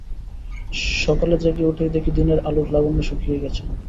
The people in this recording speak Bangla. সকালে জেগে উঠেই দেখি দিনের আলোর লাবণ্য শুকিয়ে গেছে।